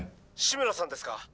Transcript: ☎志村さんですか？